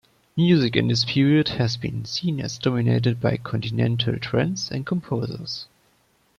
Music in this period has been seen as dominated by continental trends and composers.